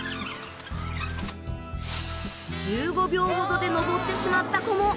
１５秒ほどで登ってしまった子も。